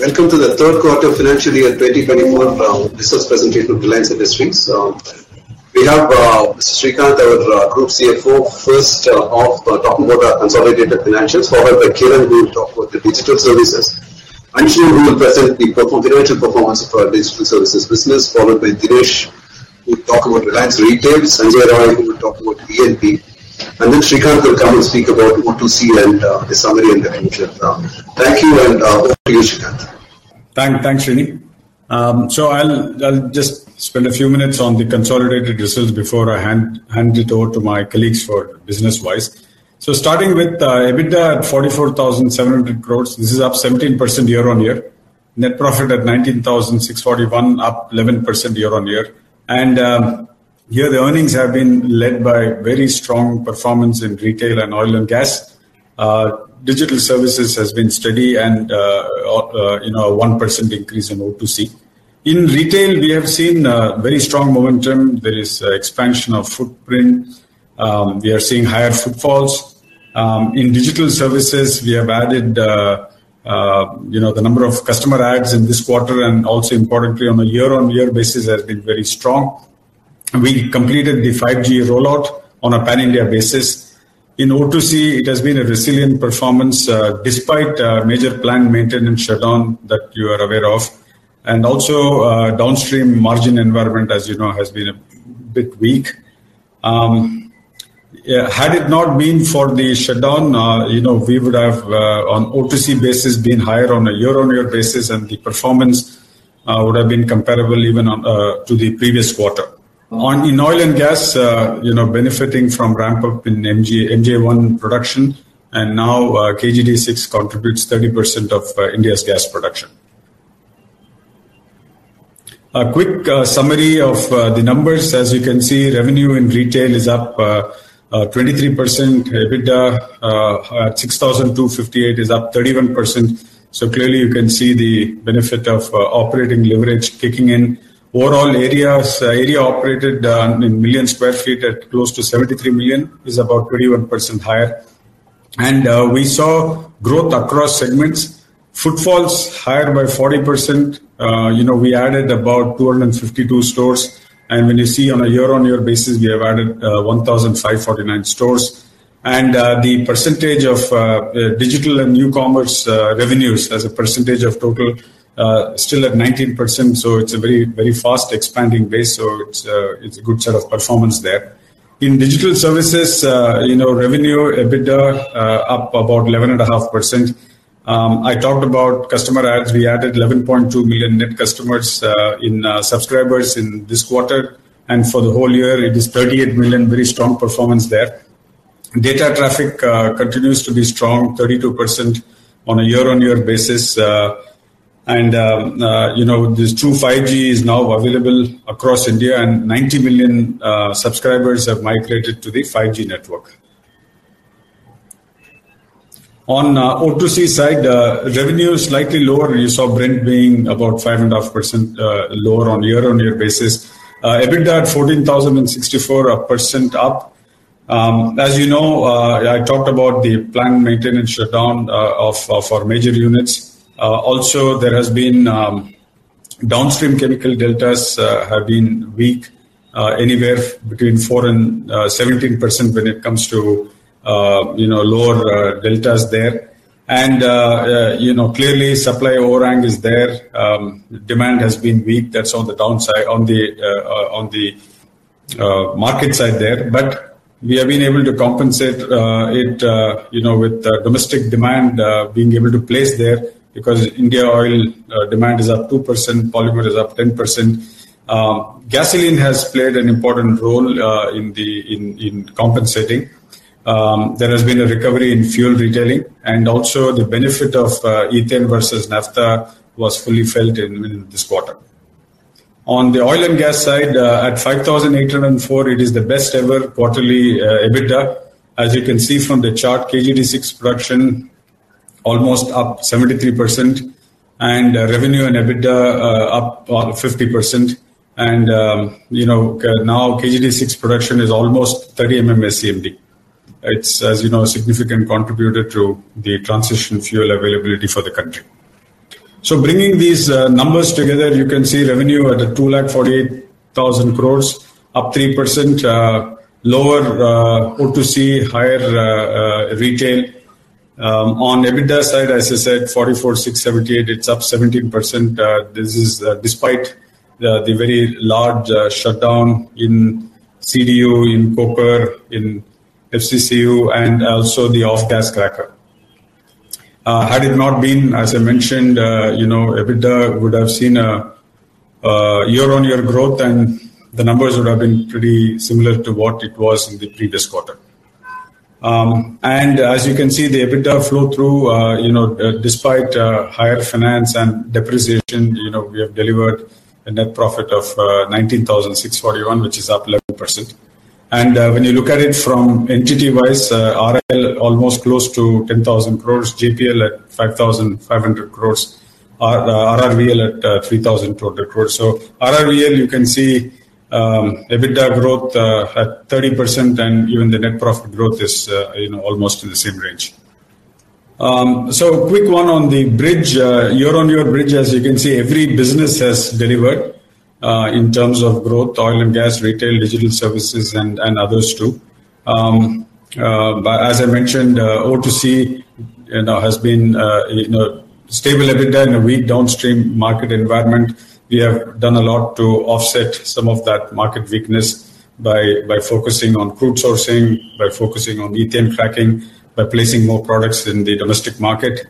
Welcome to the Third Quarter Financial Year 2024 Results Presentation of Reliance Industries. We have Srikanth, our Group CFO, first off talking about our consolidated financials, followed by Kiran, who will talk about the Digital Services. Anshu, who will present the financial performance of our Digital Services business, followed by Dinesh, who will talk about Reliance Retail. Sanjay Roy, who will talk about E&P. Then Srikanth will come and speak about O2C and the summary and the conclusion. Thank you, and over to you, Srikanth. Thanks, Srini. So I'll just spend a few minutes on the consolidated results before I hand it over to my colleagues for business-wise. So starting with EBITDA at 44,700 crore, this is up 17% year-on-year. Net profit at 19,641 crore, up 11% year-on-year. Here the earnings have been led by very strong performance in Retail and Oil and Gas. Digital Services has been steady and, you know, a 1% increase in O2C. In Retail, we have seen very strong momentum. There is expansion of footprint. We are seeing higher footfalls. In Digital Services, we have added, you know, the number of customer adds in this quarter, and also importantly, on a year-on-year basis, has been very strong. We completed the 5G rollout on a pan-India basis. In O2C, it has been a resilient performance, despite a major plant maintenance shutdown that you are aware of. Also, downstream margin environment, as you know, has been a bit weak. Yeah, had it not been for the shutdown, you know, we would have, on O2C basis, been higher on a year-on-year basis, and the performance, would have been comparable even on, to the previous quarter. In Oil and Gas, you know, benefiting from ramp-up in KG, MJ-1 production, and now, KG-D6 contributes 30% of India's gas production. A quick summary of the numbers. As you can see, revenue in Retail is up 23%. EBITDA at 6,258 is up 31%. So clearly you can see the benefit of operating leverage kicking in. Overall areas, area operated in millions sq ft at close to 73 million, is about 21 higher. We saw growth across segments. Footfalls higher by 40%. You know, we added about 252 stores, and when you see on a year-on-year basis, we have added 1,549 stores. The percentage of digital and new commerce revenues as a percentage of total still at 19%, so it's a very, very fast expanding base. So it's a good set of performance there. In Digital Services, you know, revenue, EBITDA up about 11.5%. I talked about customer adds. We added 11.2 million net customers in subscribers in this quarter, and for the whole year, it is 38 million. Very strong performance there. Data traffic continues to be strong, 32% on a year-on-year basis, and you know, True 5G is now available across India, and 90 million subscribers have migrated to the 5G network. On O2C side, revenue is slightly lower. You saw Brent being about 5.5% lower on a year-on-year basis. EBITDA at 14,064, 1% up. As you know, I talked about the plant maintenance shutdown of our major units. Also, there has been downstream chemical deltas have been weak anywhere between 4% and 17% when it comes to you know, lower deltas there. And you know, clearly supply overhang is there. Demand has been weak. That's on the downside, on the market side there. But we have been able to compensate it, you know, with the domestic demand being able to place there, because India oil demand is up 2%, polymer is up 10%. Gasoline has played an important role in compensating. There has been a recovery in fuel retailing, and also the benefit of ethane versus naphtha was fully felt in this quarter. On the Oil and Gas side, at 5,804, it is the best ever quarterly EBITDA. As you can see from the chart, KG-D6 production almost up 73%, and revenue and EBITDA up 50%. And you know now KG-D6 production is almost 30 MMscmd. It's, as you know, a significant contributor to the transition fuel availability for the country. So bringing these numbers together, you can see revenue at 248,000 crore, up 3%, lower O2C, higher Retail. On EBITDA side, as I said, 44,678 crore, it's up 17%, this is despite the very large shutdown in CDU, in coker, in FCCU, and also the off-gas cracker. Had it not been, as I mentioned, you know, EBITDA would have seen a year-on-year growth, and the numbers would have been pretty similar to what it was in the previous quarter. And as you can see, the EBITDA flow through, you know, despite higher finance and depreciation, you know, we have delivered a net profit of 19,641 crore, which is up 11%. And when you look at it from entity-wise, RIL almost close to 10,000 crore, JPL at 5,500 crore, RRVL at 3,000 crores. So RRVL, you can see, EBITDA growth at 30%, and even the net profit growth is, you know, almost in the same range. So a quick one on the bridge. Year-on-year bridge, as you can see, every business has delivered in terms of growth, Oil and Gas, Retail, Digital Services, and others, too. But as I mentioned, O2C, you know, has been, you know, stable EBITDA in a weak downstream market environment. We have done a lot to offset some of that market weakness by focusing on crude sourcing, by focusing on ethane cracking, by placing more products in the domestic market.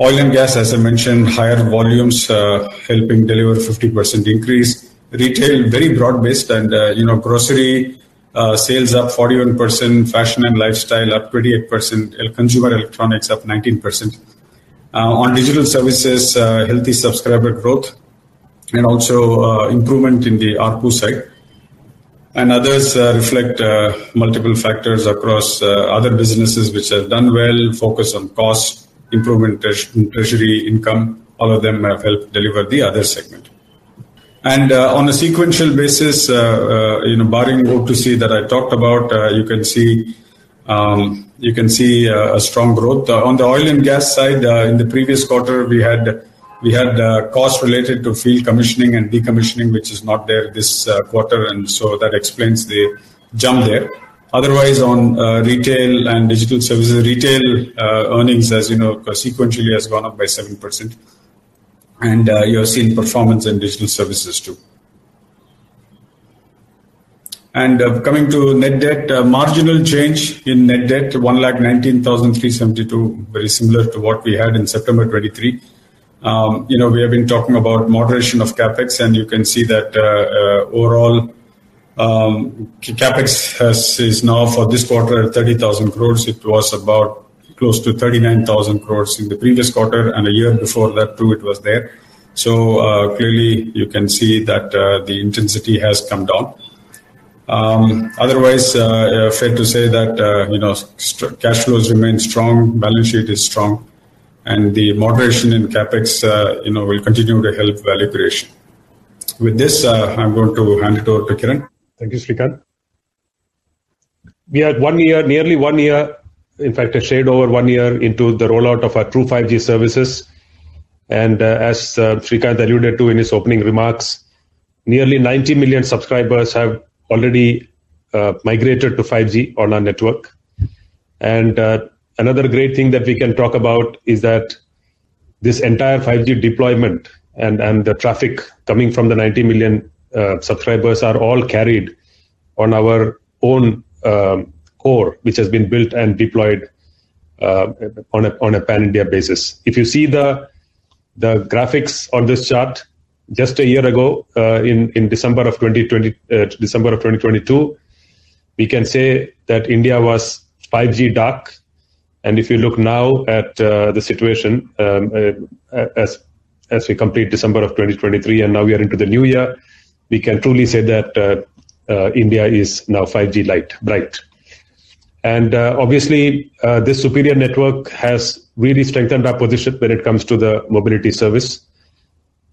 Oil and Gas, as I mentioned, higher volumes, helping deliver 50% increase. Retail, very broad-based and, you know, grocery, sales up 41%, fashion and lifestyle up 28%, and consumer electronics up 19%. On Digital Services, healthy subscriber growth and also, improvement in the ARPU side. And others reflect multiple factors across other businesses which have done well, focus on cost improvement, treasury income. All of them have helped deliver the other segment. On a sequential basis, you know, you can see, you can see, a strong growth. On the Oil and Gas side, in the previous quarter, we had, we had, costs related to field commissioning and decommissioning, which is not there this quarter, and so that explains the jump there. Otherwise, on Retail and Digital Services, Retail earnings, as you know, sequentially, has gone up by 7%. You have seen performance in Digital Services, too. Coming to net debt, a marginal change in net debt, 119,372 crore, very similar to what we had in September 2023. You know, we have been talking about moderation of CapEx, and you can see that, overall, CapEx is now for this quarter, 30,000 crore. It was about close to 39,000 crore in the previous quarter, and a year before that, too, it was there. So, clearly you can see that, the intensity has come down. Otherwise, fair to say that, you know, cash flows remain strong, balance sheet is strong, and the moderation in CapEx, you know, will continue to help value creation. With this, I'm going to hand it over to Kiran. Thank you, Srikanth. We are one year, nearly one year, in fact, a shade over one year into the rollout of our True 5G services. As Srikanth alluded to in his opening remarks, nearly 90 million subscribers have already migrated to 5G on our network. Another great thing that we can talk about is that this entire 5G deployment and the traffic coming from the 90 million subscribers are all carried on our own core, which has been built and deployed on a pan-India basis. If you see the graphics on this chart, just a year ago, in December of 2022, we can say that India was 5G dark. If you look now at the situation, as we complete December of 2023, and now we are into the new year, we can truly say that India is now 5G light, bright. Obviously, this superior network has really strengthened our position when it comes to the mobility service.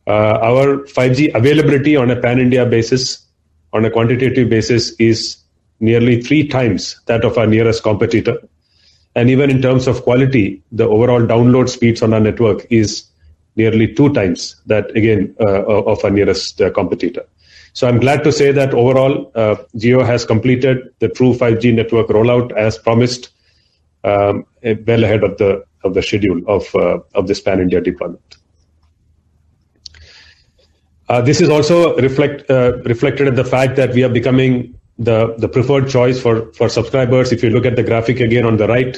Our 5G availability on a pan-India basis, on a quantitative basis, is nearly three times that of our nearest competitor. And even in terms of quality, the overall download speeds on our network is nearly two times that, again, of our nearest competitor. So I'm glad to say that overall, Jio has completed the True 5G network rollout as promised, well ahead of the schedule of this pan-India deployment. This is also reflected in the fact that we are becoming the preferred choice for subscribers. If you look at the graphic again on the right,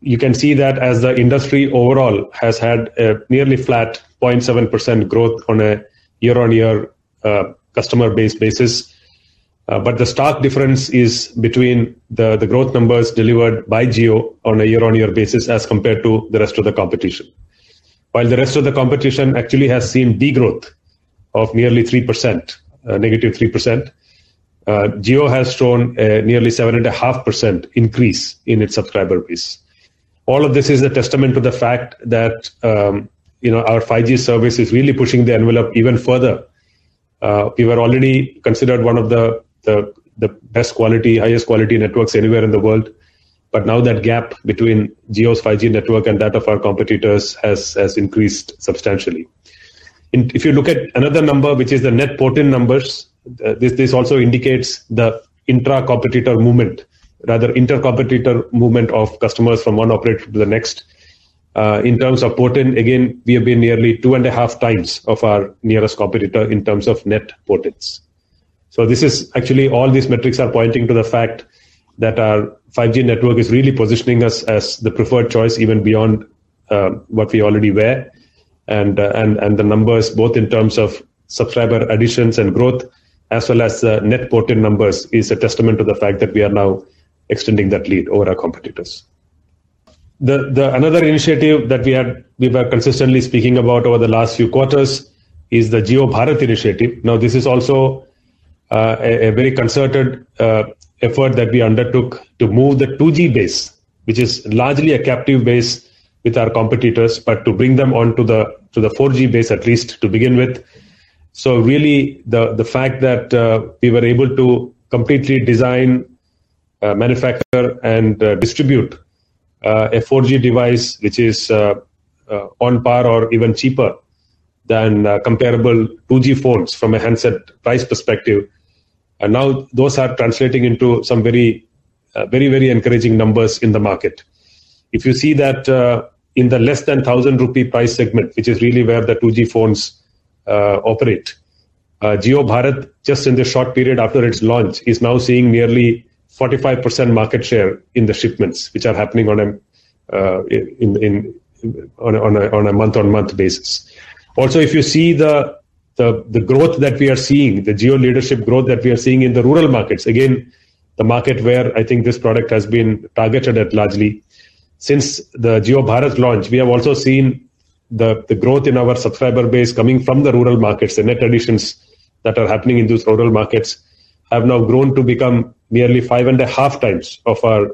you can see that as the industry overall has had a nearly flat 0.7% growth on a year-on-year customer base basis. But the stark difference is between the growth numbers delivered by Jio on a year-on-year basis, as compared to the rest of the competition. While the rest of the competition actually has seen degrowth of nearly 3%, negative 3%, Jio has shown nearly 7.5% increase in its subscriber base. All of this is a testament to the fact that, you know, our 5G service is really pushing the envelope even further. We were already considered one of the best quality, highest quality networks anywhere in the world, but now that gap between Jio's 5G network and that of our competitors has increased substantially. And if you look at another number, which is the net port-in numbers, this also indicates the intra-competitor movement, rather inter-competitor movement of customers from one operator to the next. In terms of port-in, again, we have been nearly 2.5x of our nearest competitor in terms of net port-ins. So this is... Actually, all these metrics are pointing to the fact that our 5G network is really positioning us as the preferred choice, even beyond what we already were. And the numbers, both in terms of subscriber additions and growth, as well as the net port-in numbers, is a testament to the fact that we are now extending that lead over our competitors. Another initiative that we have, we were consistently speaking about over the last few quarters is the Jio Bharat initiative. Now, this is also a very concerted effort that we undertook to move the 2G base, which is largely a captive base with our competitors, but to bring them on to the 4G base, at least to begin with. So really, the fact that we were able to completely design, manufacture, and distribute a 4G device, which is on par or even cheaper than comparable 2G phones from a handset price perspective. And now those are translating into some very, very encouraging numbers in the market. If you see that, in the less than 1,000 rupee price segment, which is really where the 2G phones operate, Jio Bharat, just in the short period after its launch, is now seeing nearly 45% market share in the shipments, which are happening on a month-on-month basis. Also, if you see the growth that we are seeing, the Jio leadership growth that we are seeing in the rural markets, again, the market where I think this product has been targeted at largely. Since the Jio Bharat launch, we have also seen the growth in our subscriber base coming from the rural markets. The net additions that are happening in those rural markets have now grown to become nearly 5.5x of our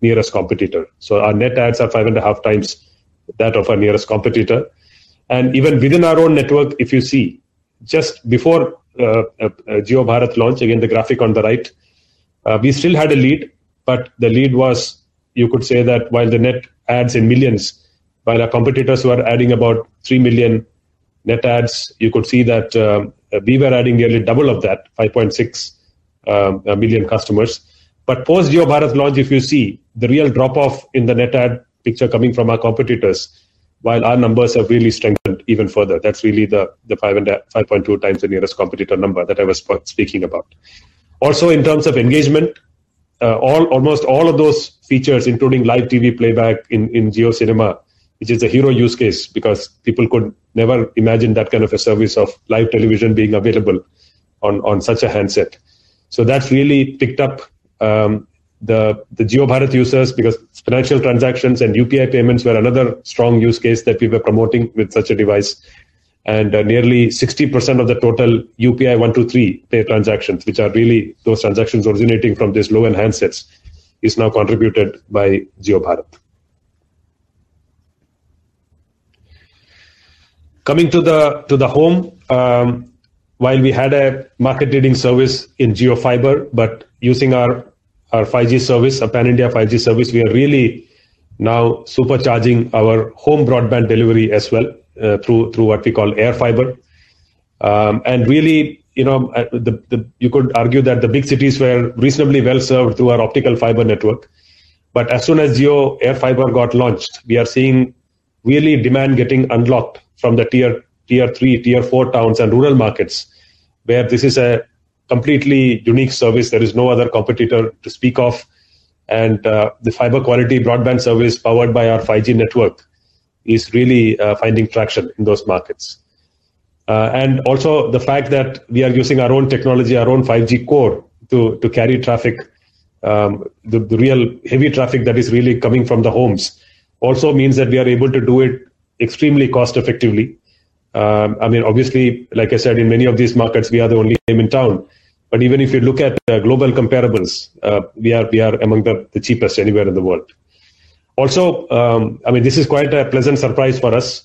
nearest competitor. So our net adds are 5.5x that of our nearest competitor. And even within our own network, if you see, just before Jio Bharat launch, again, the graphic on the right, we still had a lead, but the lead was, you could say that while the net adds in millions, while our competitors were adding about 3 million net adds, you could see that, we were adding nearly double of that, 5.6 million customers. But post Jio Bharat launch, if you see, the real drop-off in the net add picture coming from our competitors, while our numbers have really strengthened even further. That's really the 5.2x the nearest competitor number that I was speaking about. Also, in terms of engagement, almost all of those features, including live TV playback in JioCinema, which is a hero use case, because people could never imagine that kind of a service of live television being available on such a handset. So that's really picked up the Jio Bharat users, because financial transactions and UPI payments were another strong use case that we were promoting with such a device, and nearly 60% of the total UPI 123 payer transactions, which are really those transactions originating from these low-end handsets, is now contributed by Jio Bharat. Coming to the home, while we had a market-leading service in JioFiber, but using our 5G service, a pan-India 5G service, we are really now supercharging our home broadband delivery as well, through what we call AirFiber. And really, you know, you could argue that the big cities were reasonably well served through our optical fiber network, but as soon as JioAirFiber got launched, we are seeing really demand getting unlocked from the tier three, tier four towns and rural markets, where this is a completely unique service. There is no other competitor to speak of, and the fiber-quality broadband service powered by our 5G network is really finding traction in those markets. And also the fact that we are using our own technology, our own 5G core, to carry traffic, the real heavy traffic that is really coming from the homes, also means that we are able to do it extremely cost-effectively. I mean, obviously, like I said, in many of these markets, we are the only game in town, but even if you look at global comparables, we are among the cheapest anywhere in the world. Also, I mean, this is quite a pleasant surprise for us,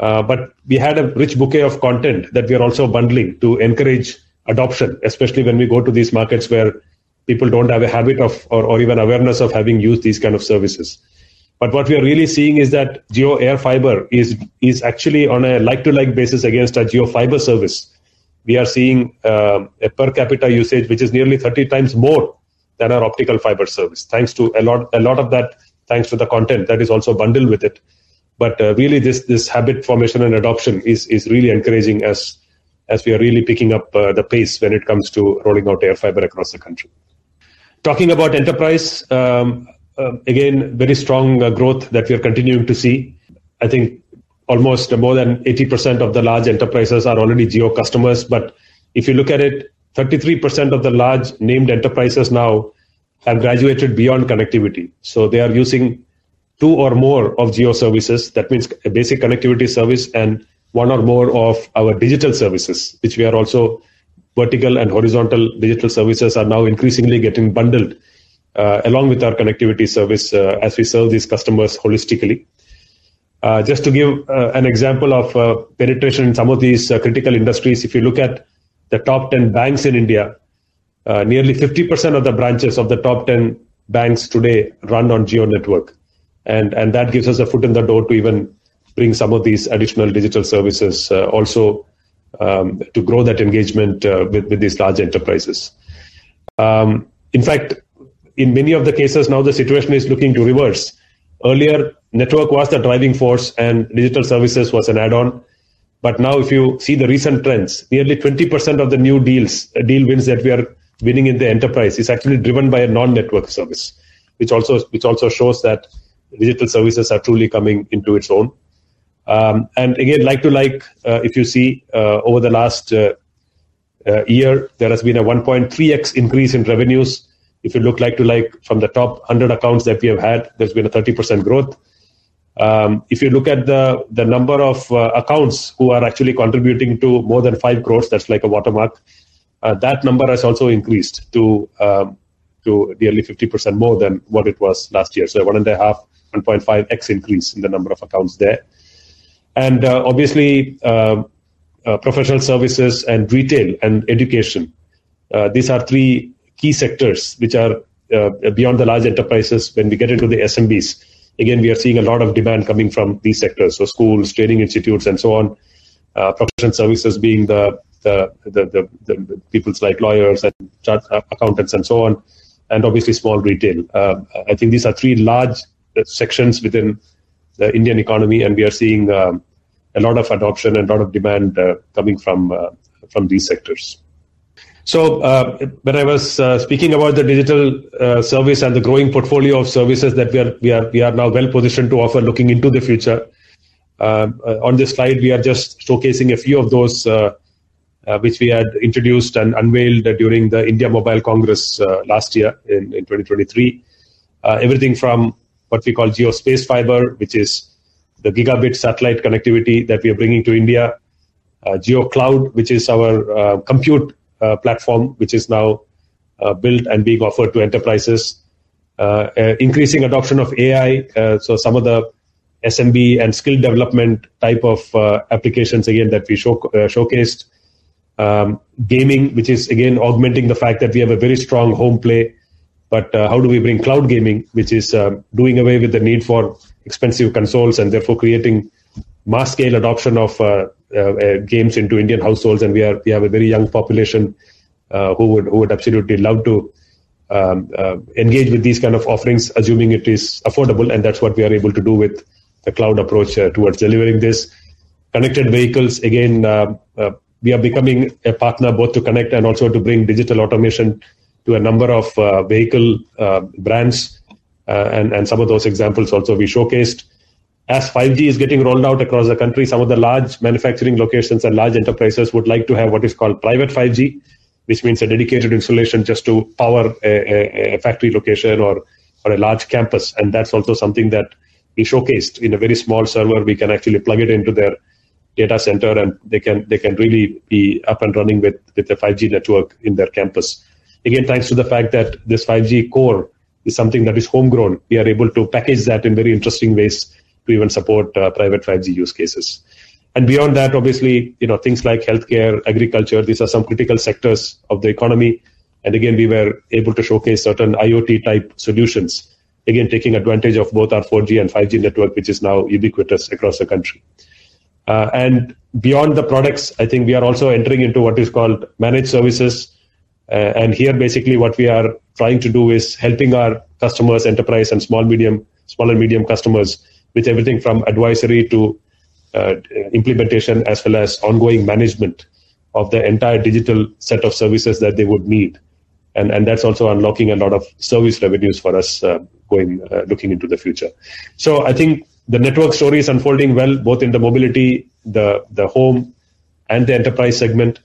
but we had a rich bouquet of content that we are also bundling to encourage adoption, especially when we go to these markets where people don't have a habit of, or even awareness of having used these kind of services. But what we are really seeing is that JioAirFiber is actually on a like-to-like basis against our JioFiber service. We are seeing a per capita usage, which is nearly 30x more than our optical fiber service. Thanks to a lot of that, thanks to the content that is also bundled with it. But really, this habit formation and adoption is really encouraging as we are really picking up the pace when it comes to rolling out AirFiber across the country. Talking about enterprise, again, very strong growth that we are continuing to see. I think almost more than 80% of the large enterprises are already Jio customers, but if you look at it, 33% of the large named enterprises now have graduated beyond connectivity. So they are using two or more of Jio services. That means a basic connectivity service and one or more of our Digital Services, which we are also... vertical and horizontal Digital Services are now increasingly getting bundled, along with our connectivity service, as we serve these customers holistically. Just to give an example of penetration in some of these critical industries, if you look at the top 10 banks in India, nearly 50% of the branches of the top 10 banks today run on Jio network. And that gives us a foot in the door to even bring some of these additional Digital Services also to grow that engagement with these large enterprises. In fact, in many of the cases, now the situation is looking to reverse. Earlier, network was the driving force and Digital Services was an add-on, but now if you see the recent trends, nearly 20% of the new deals, deal wins that we are winning in the enterprise, is actually driven by a non-network service, which also, which also shows that Digital Services are truly coming into its own. And again, like to like, if you see over the last year, there has been a 1.3x increase in revenues. If you look like to like from the top 100 accounts that we have had, there's been a 30% growth. If you look at the number of accounts who are actually contributing to more than 5 crore, that's like a watermark, that number has also increased to nearly 50% more than what it was last year. So 1.5x increase in the number of accounts there. And obviously professional services and Retail, and education, these are three key sectors which are beyond the large enterprises when we get into the SMBs. Again, we are seeing a lot of demand coming from these sectors, so schools, training institutes, and so on. Professional services being the people like lawyers and chartered accountants and so on, and obviously small Retail. I think these are three large sections within the Indian economy, and we are seeing a lot of adoption and a lot of demand coming from these sectors. So, when I was speaking about the digital service and the growing portfolio of services that we are now well positioned to offer, looking into the future. On this slide, we are just showcasing a few of those, which we had introduced and unveiled during the India Mobile Congress last year in 2023. Everything from what we call JioSpaceFiber, which is the gigabit satellite connectivity that we are bringing to India. JioCloud, which is our compute platform, which is now built and being offered to enterprises. Increasing adoption of AI. So some of the SMB and skill development type of applications, again, that we showcased. Gaming, which is again augmenting the fact that we have a very strong home play, but how do we bring cloud gaming, which is doing away with the need for expensive consoles and therefore creating mass scale adoption of games into Indian households, and we have a very young population who would absolutely love to engage with these kind of offerings, assuming it is affordable, and that's what we are able to do with the cloud approach towards delivering this. Connected vehicles, again, we are becoming a partner both to connect and also to bring digital automation to a number of vehicle brands, and some of those examples also we showcased. As 5G is getting rolled out across the country, some of the large manufacturing locations and large enterprises would like to have what is called Private 5G, which means a dedicated installation just to power a factory location or a large campus, and that's also something that we showcased. In a very small server, we can actually plug it into their data center, and they can really be up and running with the 5G network in their campus. Again, thanks to the fact that this 5G core is something that is homegrown, we are able to package that in very interesting ways to even support private 5G use cases. Beyond that, obviously, you know, things like healthcare, agriculture, these are some critical sectors of the economy. Again, we were able to showcase certain IoT-type solutions, again, taking advantage of both our 4G and 5G network, which is now ubiquitous across the country. Beyond the products, I think we are also entering into what is called managed services. And here, basically, what we are trying to do is helping our customers, enterprise and small, medium... small and medium customers, with everything from advisory to, implementation, as well as ongoing management of the entire digital set of services that they would need. And that's also unlocking a lot of service revenues for us, going looking into the future. So I think the network story is unfolding well, both in the mobility, the home, and the enterprise segment,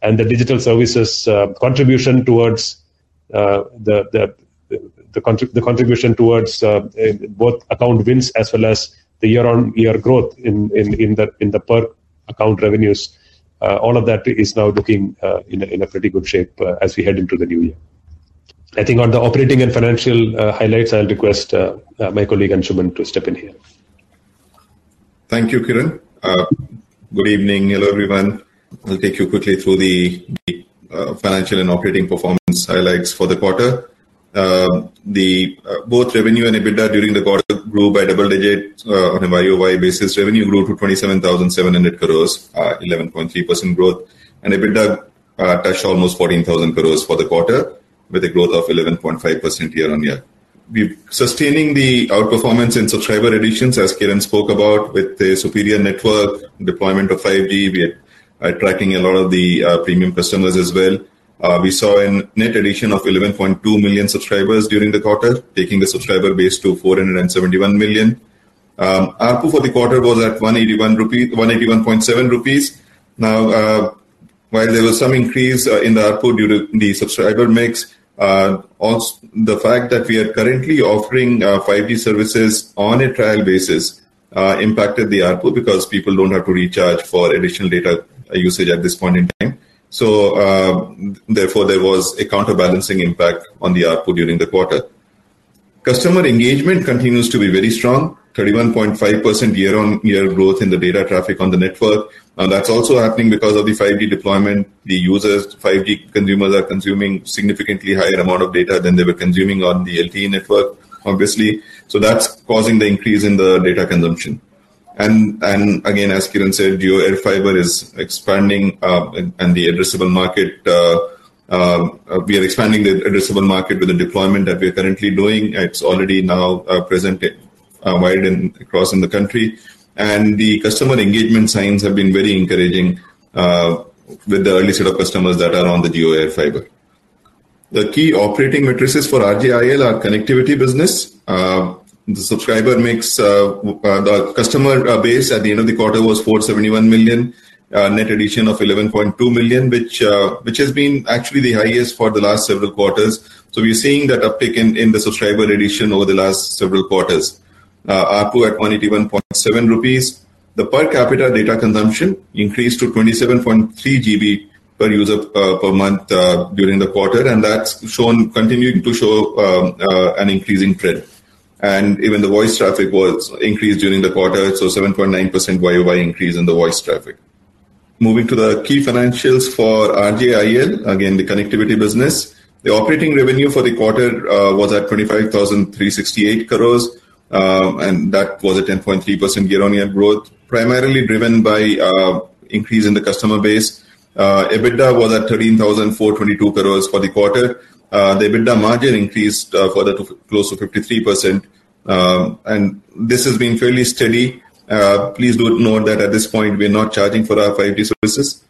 and the Digital Services contribution towards the contribution towards both account wins as well as the year-on-year growth in the per account revenues. All of that is now looking in a pretty good shape as we head into the new year. I think on the operating and financial highlights, I'll request my colleague, Anshuman, to step in here. Thank you, Kiran. Good evening. Hello, everyone. I'll take you quickly through the financial and operating performance highlights for the quarter. Both revenue and EBITDA during the quarter grew by double digits on a YoY basis. Revenue grew to 27,700 crore, 11.3% growth, and EBITDA touched almost 14,000 crore for the quarter, with a growth of 11.5% year-on-year. Sustaining the outperformance in subscriber additions, as Kiran spoke about, with the superior network deployment of 5G, we are attracting a lot of the premium customers as well. We saw a net addition of 11.2 million subscribers during the quarter, taking the subscriber base to 471 million. ARPU for the quarter was at 181 rupees, 181.7 rupees. Now, while there was some increase in the ARPU due to the subscriber mix, also the fact that we are currently offering 5G services on a trial basis impacted the ARPU because people don't have to recharge for additional data usage at this point in time. So, therefore, there was a counterbalancing impact on the ARPU during the quarter. Customer engagement continues to be very strong, 31.5% year-on-year growth in the data traffic on the network. And that's also happening because of the 5G deployment. The users, 5G consumers are consuming significantly higher amount of data than they were consuming on the LTE network, obviously. So that's causing the increase in the data consumption. Again, as Kiran said, JioAirFiber is expanding and the addressable market we are expanding the addressable market with the deployment that we are currently doing. It's already now present widely across the country. And the customer engagement signs have been very encouraging with the early set of customers that are on the JioAirFiber. The key operating metrics for RJIL, our connectivity business, the subscriber base, the customer base at the end of the quarter was 471 million. Net addition of 11.2 million, which has been actually the highest for the last several quarters. So we are seeing that uptick in the subscriber addition over the last several quarters. ARPU at 21.7 rupees. The per capita data consumption increased to 27.3 GB per user per month during the quarter, and that's shown, continuing to show, an increasing trend. And even the voice traffic was increased during the quarter, so 7.9% YoY increase in the voice traffic. Moving to the key financials for RJIL, again, the connectivity business. The operating revenue for the quarter was at 25,368 crore, and that was a 10.3% year-on-year growth, primarily driven by increase in the customer base. EBITDA was at 13,422 crore for the quarter. The EBITDA margin increased further to close to 53%, and this has been fairly steady. Please do note that at this point, we are not charging for our 5G services,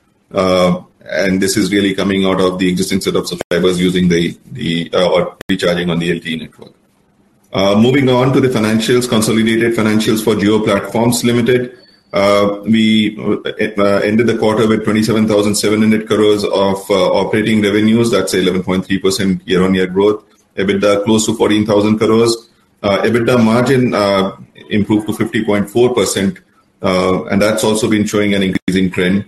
and this is really coming out of the existing set of subscribers using the or recharging on the LTE network. Moving on to the financials, consolidated financials for Jio Platforms Limited. We ended the quarter with 27,700 crore of operating revenues. That's 11.3% year-on-year growth. EBITDA close to 14,000 crore. EBITDA margin improved to 50.4%, and that's also been showing an increasing trend.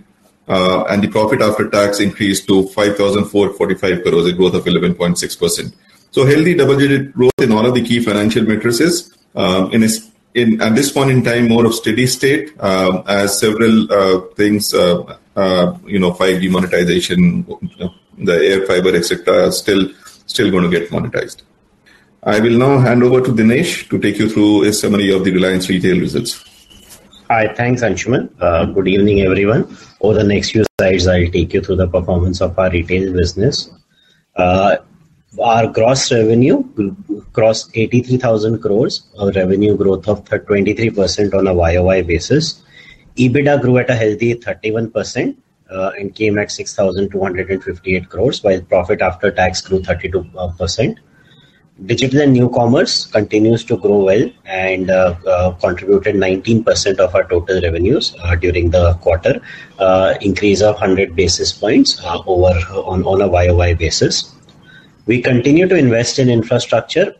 And the profit after tax increased to 5,445 crore, a growth of 11.6%. So healthy double-digit growth in all of the key financial matrices. At this point in time, more of steady state, as several things, you know, 5G monetization, you know, the AirFiber, et cetera, are still going to get monetized. I will now hand over to Dinesh to take you through a summary of the Reliance Retail results. Hi. Thanks, Anshuman. Good evening, everyone. Over the next few slides, I'll take you through the performance of our Retail business. Our gross revenue crossed 83,000 crore, a revenue growth of 23% on a YoY basis. EBITDA grew at a healthy 31%, and came at 6,258 crore, while profit after tax grew 32%. Digital and new commerce continues to grow well and contributed 19% of our total revenues during the quarter. Increase of 100 basis points over on a YoY basis. We continue to invest in infrastructure.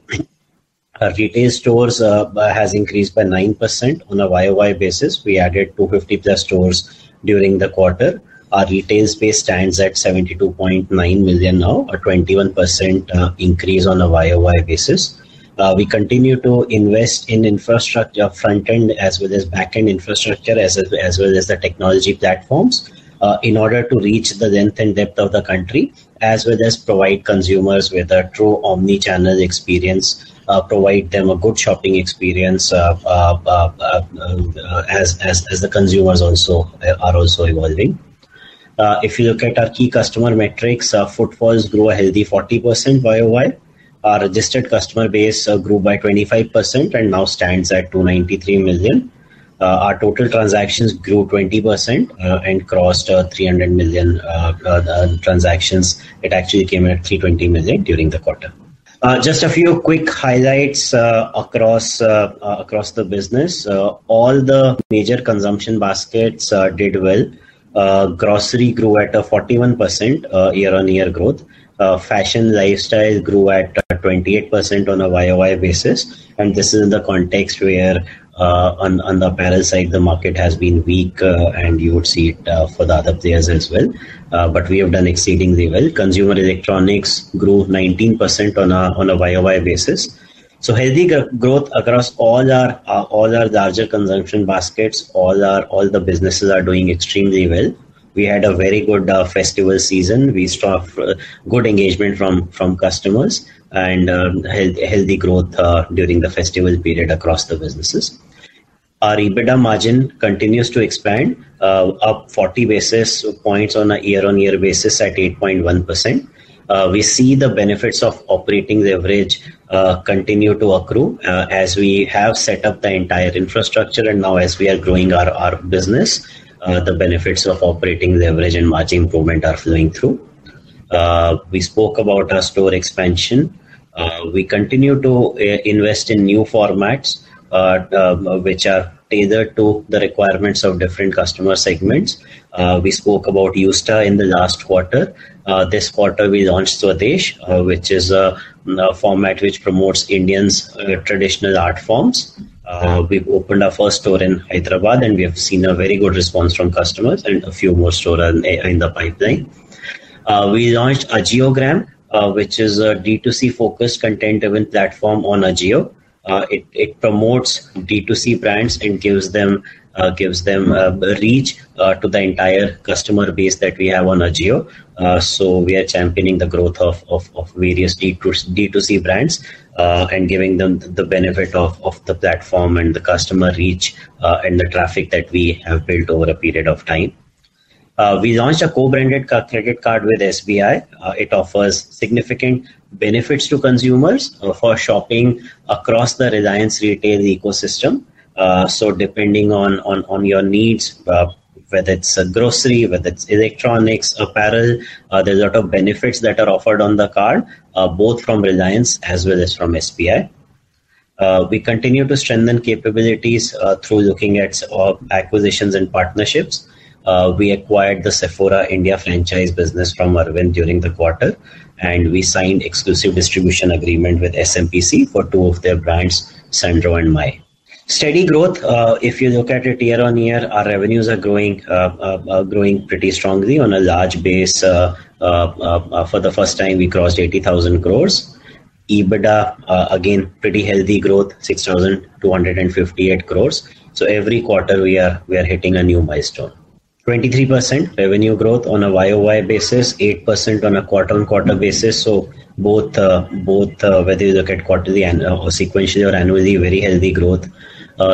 Our Retail stores has increased by 9% on a YoY basis. We added 250+ stores during the quarter. Our Retail space stands at 72.9 million now, a 21% increase on a YoY basis. We continue to invest in infrastructure front-end, as well as back-end infrastructure, as well as the technology platforms, in order to reach the length and depth of the country, as well as provide consumers with a true omni-channel experience, provide them a good shopping experience, as the consumers also are also evolving. If you look at our key customer metrics, our footfalls grew a healthy 40% YoY. Our registered customer base grew by 25% and now stands at 293 million. Our total transactions grew 20% and crossed 300 million transactions. It actually came in at 320 million during the quarter. Just a few quick highlights across the business. All the major consumption baskets did well. Grocery grew at a 41% year-on-year growth. Fashion lifestyle grew at 28% on a YoY basis, and this is in the context where, on the apparel side, the market has been weak, and you would see it for the other players as well. But we have done exceedingly well. Consumer electronics grew 19% on a YoY basis. So healthy growth across all our larger consumption baskets, all the businesses are doing extremely well. We had a very good festival season. We saw good engagement from customers and healthy growth during the festival period across the businesses. Our EBITDA margin continues to expand, up 40 basis points on a year-on-year basis at 8.1%. We see the benefits of operating leverage continue to accrue as we have set up the entire infrastructure and now as we are growing our business, the benefits of operating leverage and margin improvement are flowing through. We spoke about our store expansion. We continue to invest in new formats which are tailored to the requirements of different customer segments. We spoke about Yousta in the last quarter. This quarter we launched Swadesh, which is a format which promotes Indians' traditional art forms. We've opened our first store in Hyderabad, and we have seen a very good response from customers and a few more stores in the pipeline. We launched AJIOGRAM, which is a D2C-focused, content-driven platform on AJIO. It promotes D2C brands and gives them reach to the entire customer base that we have on AJIO. So we are championing the growth of various D2C brands and giving them the benefit of the platform and the customer reach and the traffic that we have built over a period of time. We launched a co-branded credit card with SBI. It offers significant benefits to consumers for shopping across the Reliance Retail ecosystem. So depending on your needs, whether it's grocery, whether it's electronics, apparel, there are a lot of benefits that are offered on the card, both from Reliance as well as from SBI. We continue to strengthen capabilities through looking at acquisitions and partnerships. We acquired the Sephora India franchise business from Arvind during the quarter, and we signed exclusive distribution agreement with SMPC for two of their brands, Sandro and Maje. Steady growth, if you look at it year-on-year, our revenues are growing, growing pretty strongly on a large base. For the first time, we crossed 80,000 crore. EBITDA, again, pretty healthy growth, 6,258 crore. So every quarter we are, we are hitting a new milestone. 23% revenue growth on a YoY basis, 8% on a quarter-on-quarter basis. So both, both, whether you look at quarterly and, or sequentially or annually, very healthy growth.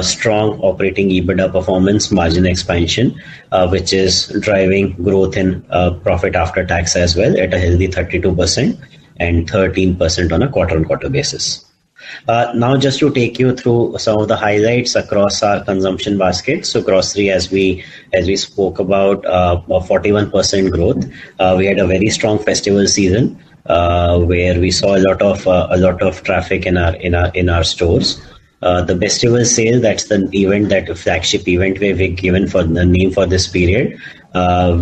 Strong operating EBITDA performance, margin expansion, which is driving growth in profit after tax as well, at a healthy 32% and 13% on a quarter-on-quarter basis. Now, just to take you through some of the highlights across our consumption basket. So grocery, as we spoke about, 41% growth. We had a very strong festival season, where we saw a lot of a lot of traffic in our stores. The festival sale, that's the event, that flagship event we've given for the name for this period.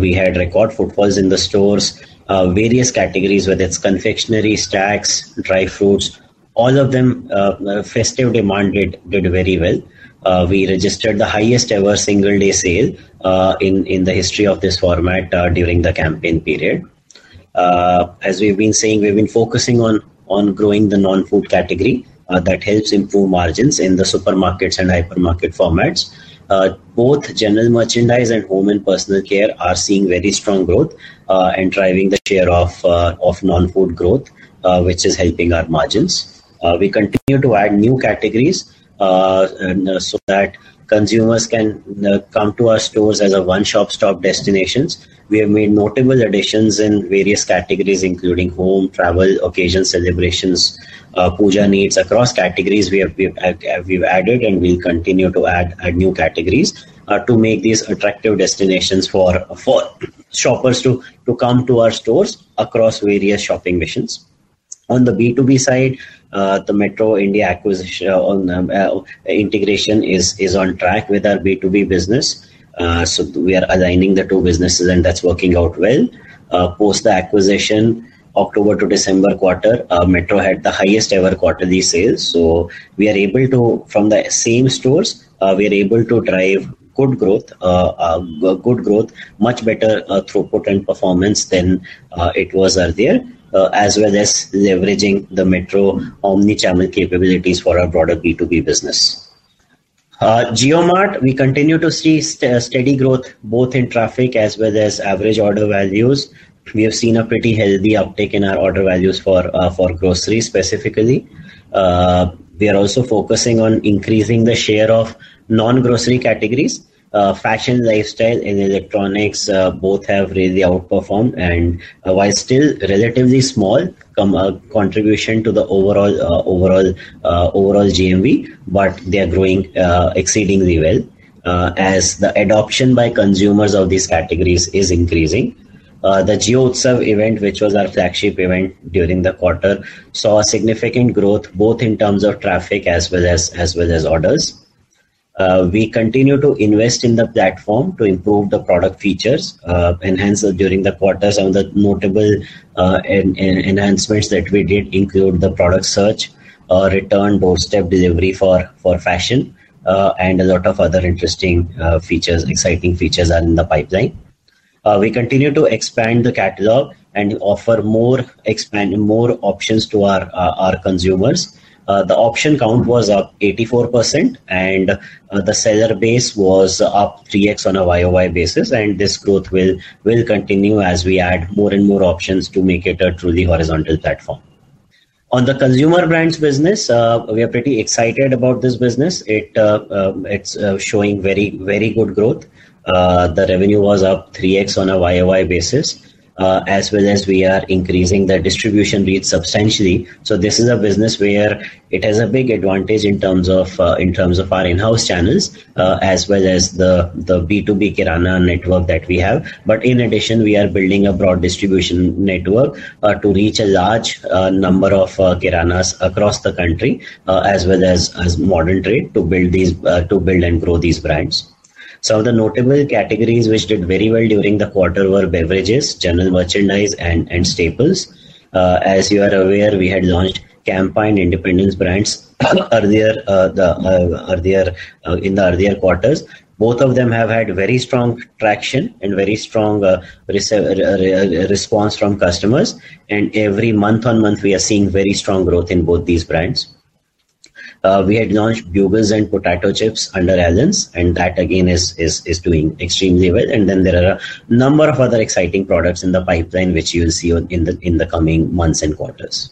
We had record footfalls in the stores. Various categories, whether it's confectionery, snacks, dry fruits, all of them, festive demand did very well. We registered the highest ever single day sale in the history of this format during the campaign period. As we've been saying, we've been focusing on growing the non-food category that helps improve margins in the supermarkets and hypermarket formats. Both general merchandise and home and personal care are seeing very strong growth and driving the share of non-food growth which is helping our margins. We continue to add new categories so that consumers can come to our stores as a one-shop stop destinations. We have made notable additions in various categories, including home, travel, occasion, celebrations, puja needs. Across categories, we've added, and we'll continue to add new categories to make these attractive destinations for shoppers to come to our stores across various shopping missions. On the B2B side, the Metro India acquisition and integration is on track with our B2B business. So we are aligning the two businesses, and that's working out well. Post the acquisition, October to December quarter, Metro had the highest ever quarterly sales. So we are able to... From the same stores, we are able to drive good growth, much better throughput and performance than it was earlier, as well as leveraging the Metro omnichannel capabilities for our broader B2B business. JioMart, we continue to see steady growth, both in traffic as well as average order values. We have seen a pretty healthy uptake in our order values for grocery specifically. We are also focusing on increasing the share of non-grocery categories. Fashion, lifestyle, and electronics both have really outperformed, and while still relatively small, contribution to the overall GMV, but they are growing exceedingly well as the adoption by consumers of these categories is increasing. The JioUtsav event, which was our flagship event during the quarter, saw a significant growth both in terms of traffic as well as orders. We continue to invest in the platform to improve the product features. And hence, during the quarter, some of the notable enhancements that we did include the product search, return, doorstep delivery for fashion, and a lot of other interesting features. Exciting features are in the pipeline. We continue to expand the catalog and offer more, expand more options to our consumers. The option count was up 84%, and the seller base was up 3x on a YoY basis, and this growth will continue as we add more and more options to make it a truly horizontal platform. On the consumer brands business, we are pretty excited about this business. It’s showing very, very good growth. The revenue was up 3x on a YoY basis, as well as we are increasing the distribution reach substantially. So this is a business where it has a big advantage in terms of, in terms of our in-house channels, as well as the, the B2B Kirana network that we have. But in addition, we are building a broad distribution network, to reach a large, number of, Kiranas across the country, as well as, as modern trade, to build these, to build and grow these brands. Some of the notable categories, which did very well during the quarter, were beverages, general merchandise, and staples. As you are aware, we had launched Campa and Independence brands earlier, the, earlier, in the earlier quarters. Both of them have had very strong traction and very strong, response from customers, and every month-on-month, we are seeing very strong growth in both these brands. We had launched Bugles and potato chips under Alan's, and that again is doing extremely well. And then there are a number of other exciting products in the pipeline which you will see in the coming months and quarters.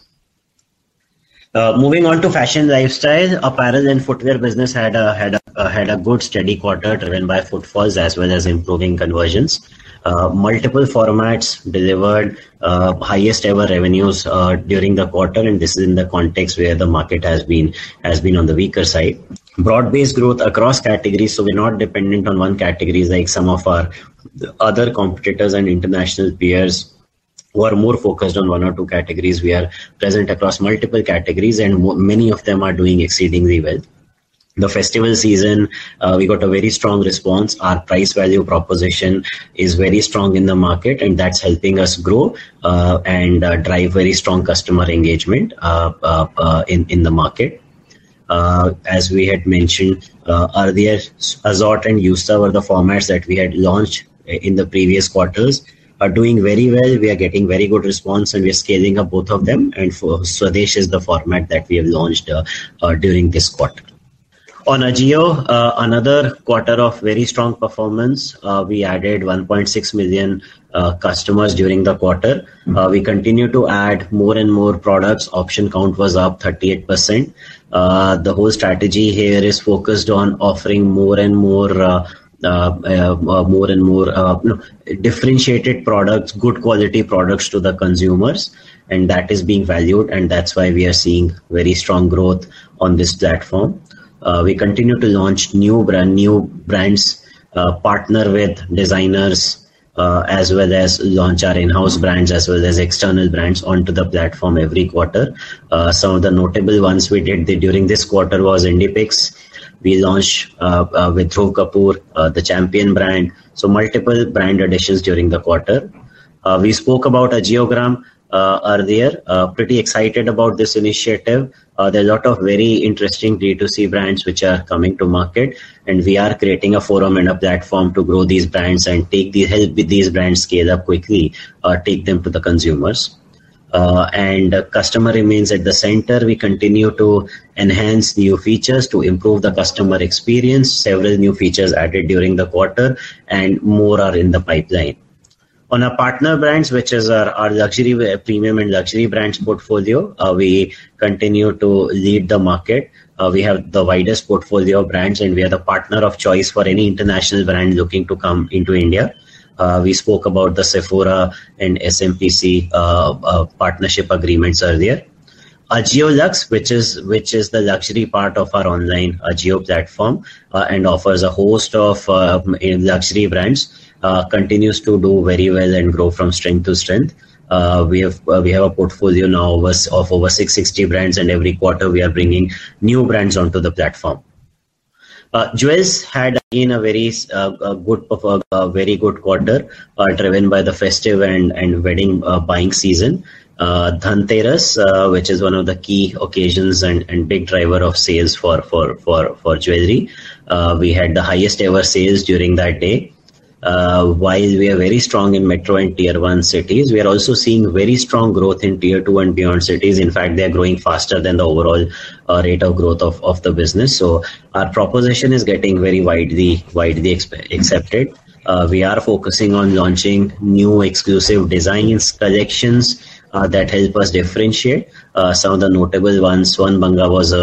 Moving on to fashion lifestyle, apparel and footwear business had a good steady quarter driven by footfalls as well as improving conversions. Multiple formats delivered highest ever revenues during the quarter, and this is in the context where the market has been on the weaker side. Broad-based growth across categories, so we're not dependent on one categories like some of our other competitors and international peers who are more focused on one or two categories. We are present across multiple categories, and many of them are doing exceedingly well. The festival season, we got a very strong response. Our price-value proposition is very strong in the market, and that's helping us grow and drive very strong customer engagement in the market. As we had mentioned earlier, Azorte and Yousta were the formats that we had launched in the previous quarters, are doing very well. We are getting very good response, and we are scaling up both of them, and for Swadesh is the format that we have launched during this quarter. On AJIO, another quarter of very strong performance. We added 1.6 million customers during the quarter. We continue to add more and more products. Option count was up 38%. The whole strategy here is focused on offering more and more differentiated products, good quality products to the consumers, and that is being valued, and that's why we are seeing very strong growth on this platform. We continue to launch new brand, new brands, partner with designers, as well as launch our in-house brands, as well as external brands onto the platform every quarter. Some of the notable ones we did during this quarter was Indie Picks. We launched with Dhruv Kapoor the Champion brand, so multiple brand additions during the quarter. We spoke about AJIOGRAM earlier. Pretty excited about this initiative. There are a lot of very interesting D2C brands which are coming to market, and we are creating a forum and a platform to grow these brands and take the help with these brands scale up quickly, take them to the consumers. And customer remains at the center. We continue to enhance new features to improve the customer experience. Several new features added during the quarter, and more are in the pipeline. On our partner brands, which is our, our luxury, premium and luxury brands portfolio, we continue to lead the market. We have the widest portfolio of brands, and we are the partner of choice for any international brand looking to come into India. We spoke about the Sephora and SMPC partnership agreements earlier. AJIO Luxe, which is the luxury part of our online AJIO platform, and offers a host of luxury brands, continues to do very well and grow from strength to strength. We have a portfolio now of over 660 brands, and every quarter we are bringing new brands onto the platform. Jewels had, again, a very good quarter, driven by the festive and wedding buying season. Dhanteras, which is one of the key occasions and big driver of sales for jewelry. We had the highest ever sales during that day. While we are very strong in metro and Tier 1 cities, we are also seeing very strong growth in Tier 2 and beyond cities. In fact, they are growing faster than the overall rate of growth of the business. So our proposition is getting very widely accepted. We are focusing on launching new exclusive designs, collections that help us differentiate. Some of the notable ones, Swarn Banga was